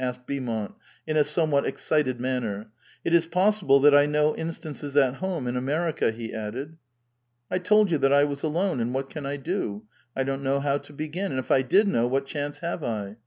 9sked Beaumont, in a somewhat excited manner. " It is possible that I know instances at home in America," he added. '' I told you that I was alone, and what can I do? I don't know how to begin ; and if I did know, what chance have I?